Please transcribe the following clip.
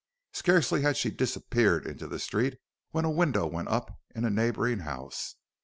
Scarcely had she disappeared into the street when a window went up in a neighboring house.